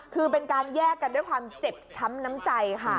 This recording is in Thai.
คือเป็นการแยกกันด้วยความเจ็บช้ำน้ำใจค่ะ